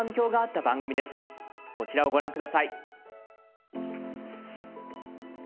こちらをご覧下さい。